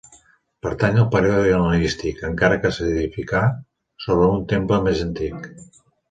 Pertany al període hel·lenístic, encara que s'edificà sobre un temple més antic.